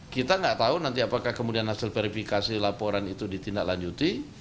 kita nggak tahu nanti apakah kemudian hasil verifikasi laporan itu ditindaklanjuti